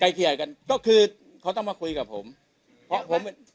ไก่เกลี่ยกันไก่เกลี่ยกันก็คือเขาต้องมาคุยกับผมเพราะผม